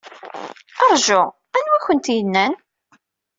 Ṛju, anwa ay awent-yennan?